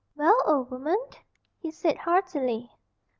"Well, old woman!" he said heartily.